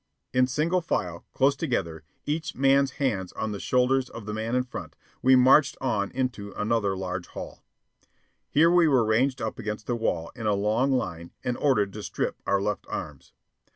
In single file, close together, each man's hands on the shoulders of the man in front, we marched on into another large hall. Here we were ranged up against the wall in a long line and ordered to strip our left arms.